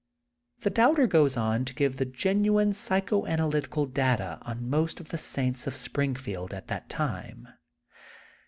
The Doubter goes on to give the genuine psycho analytical data on most of the saints of Springfield at that time.